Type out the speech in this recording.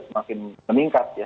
semakin meningkat ya